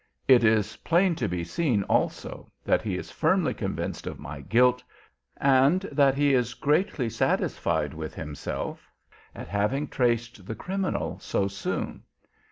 It is plain to be seen also, that he is firmly convinced of my guilt and that he is greatly satisfied with himself at having traced the criminal so soon."